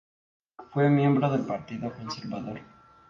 Fue miembro del partido conservador.